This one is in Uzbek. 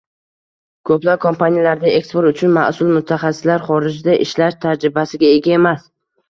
ko‘plab kompaniyalarda eksport uchun mas’ul mutaxassislar xorijda ishlash tajribasiga ega emas.